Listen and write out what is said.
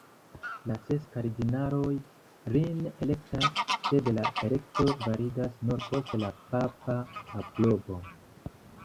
La ses kardinaloj lin elektas, sed la elekto validas nur post la papa aprobo.